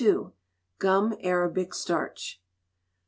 Gum Arabic Starch.